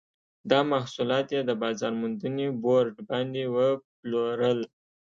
دا محصولات یې د بازار موندنې بورډ باندې وپلورل.